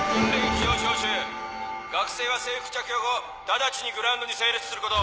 非常招集学生は制服着用後ただちにグラウンドに整列すること。